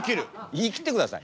言い切ってください。